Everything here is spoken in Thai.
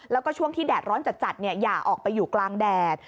แล้วก็ช่วงที่แดดร้อนจัดอย่าออกไปอยู่กลางแดด